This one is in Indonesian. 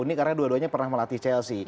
ya unik karena dua duanya pernah melatih chelsea